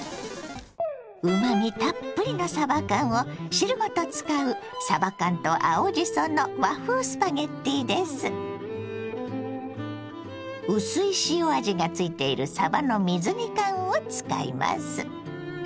うまみたっぷりのさば缶を汁ごと使う薄い塩味がついているさばの水煮缶を使います。